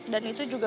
dan itu juga